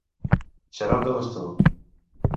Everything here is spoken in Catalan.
Xarop de bastó.